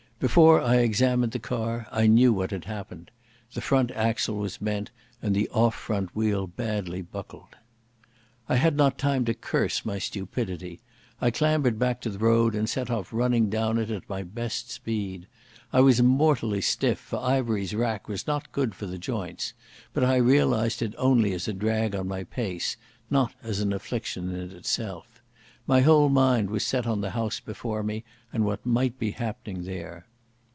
Before I examined the car I knew what had happened. The front axle was bent, and the off front wheel badly buckled. I had not time to curse my stupidity. I clambered back to the road and set off running down it at my best speed. I was mortally stiff, for Ivery's rack was not good for the joints, but I realised it only as a drag on my pace, not as an affliction in itself. My whole mind was set on the house before me and what might be happening there.